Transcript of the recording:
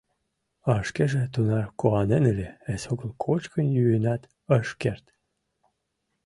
А шкеже тунар куанен ыле — эсогыл кочкын-йӱынат ыш керт.